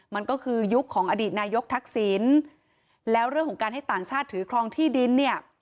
มันก็คือยุคของอดีตนายกทักษิณแล้วเรื่องของการให้ต่างชาติถือครองที่ดินเนี่ย